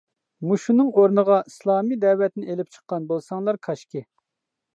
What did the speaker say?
مۇشۇنىڭ ئورنىغا ئىسلامى دەۋەتنى ئېلىپ چىققان بولساڭلار كاشكى.